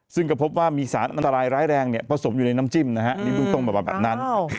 ซึ่งก็พบว่ามีสารอันตรายร้ายแรงเนี่ยผสมอยู่ในน้ำจิ้มนะฮะนี่เบื้องต้นแบบนั้น